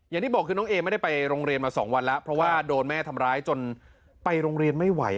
อย่างที่บอกคือน้องเอไม่ได้ไปโรงเรียนมา๒วันแล้วเพราะว่าโดนแม่ทำร้ายจนไปโรงเรียนไม่ไหว